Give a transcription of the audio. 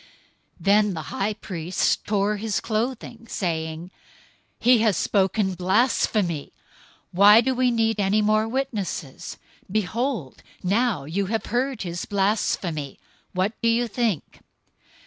026:065 Then the high priest tore his clothing, saying, "He has spoken blasphemy! Why do we need any more witnesses? Behold, now you have heard his blasphemy. 026:066 What do you think?"